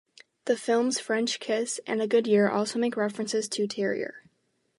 The films "French Kiss" and "A Good Year" also make references to "terroir".